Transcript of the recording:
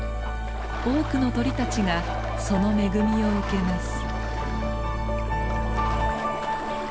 多くの鳥たちがその恵みを受けます。